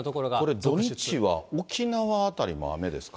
これ、土日は沖縄辺りも雨ですか。